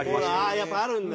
やっぱりあるんだ。